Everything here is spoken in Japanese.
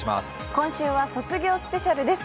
今週は卒業スペシャルです。